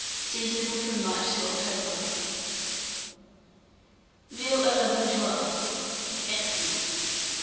Seasonable from March to October. VEAL A LA BOURGEOISE. (Excellent.)